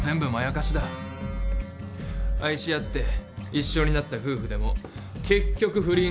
愛し合って一緒になった夫婦でも結局不倫されるんだからな。